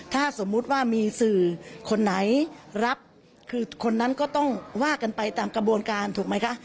ถ้าสมมุติว่ามีสื่อคนไหนรับคือคนนั้นก็ต้องว่ากันไปตามกระบวนการถูกไหมคะ